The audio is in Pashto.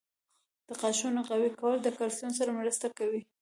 • د غاښونو قوي کول د کلسیم سره مرسته کوي.